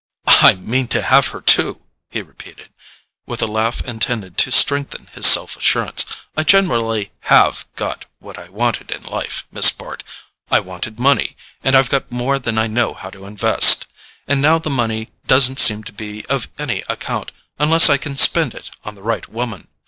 "I mean to have her too," he repeated, with a laugh intended to strengthen his self assurance. "I generally HAVE got what I wanted in life, Miss Bart. I wanted money, and I've got more than I know how to invest; and now the money doesn't seem to be of any account unless I can spend it on the right woman.